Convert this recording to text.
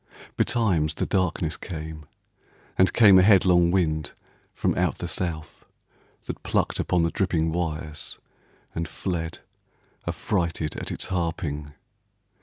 Betimes the darkness came, And came a headlong wind from out the South, That plucked upon the dripping wires, and fled, Affrighted at its harping.